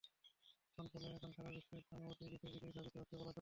ফলে এখন সারা বিশ্বের সহানুভূতি গ্রিসের দিকেই ধাবিত হচ্ছে বলা চলে।